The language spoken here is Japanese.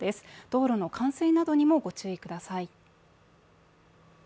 道路の冠水などにもご注意ください。